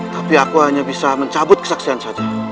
tapi aku hanya bisa mencabut kesaksian saja